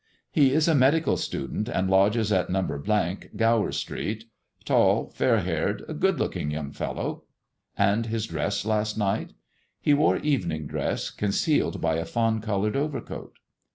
" He is a medical student, and lodges at No. —, Gower Street. Tall, fair haired — a good looking young fellow." " And his dress last night 1 '' "He wore evening dress, concealed by a fawn coloured overcoat."